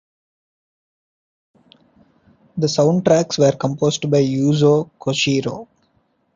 The soundtracks were composed by Yuzo Koshiro.